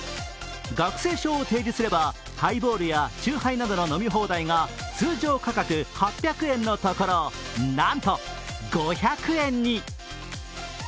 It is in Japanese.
学生証を提示すればハイボールや酎ハイなどの飲み放題が通常価格８００円のところ、なんと５００円に。